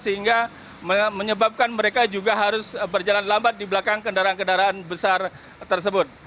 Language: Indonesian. sehingga menyebabkan mereka juga harus berjalan lambat di belakang kendaraan kendaraan besar tersebut